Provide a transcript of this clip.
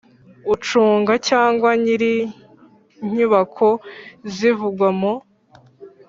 Ucunga cyangwa nyir inyubako zivugwa mu